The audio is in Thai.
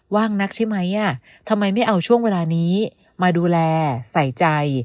ว่างนักใช่ไหมทำไมไม่เอาช่วงเวลานี้มาดูแลใส่ใจ